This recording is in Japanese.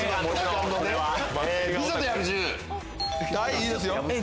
いいですよ。